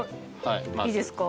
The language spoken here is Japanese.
いいですか？